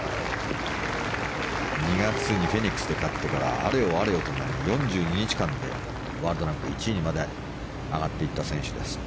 ２月にフェニックスで勝ってからあれよあれよという間に４２日間でワールドランク１位にまで上がっていった選手です。